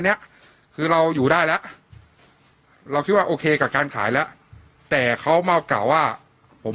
เนี้ยคือเราอยู่ได้แล้วเราคิดว่าโอเคกับการขายแล้วแต่เขามากล่าวว่าผม